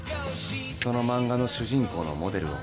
その漫画の主人公のモデルを